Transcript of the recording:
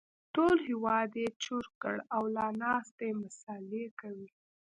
ټول هېواد يې چور کړ او لا ناست دی مسالې کوي